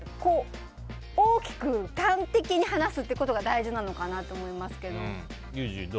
大きく端的に話すことが大事なのかなと思いますけど。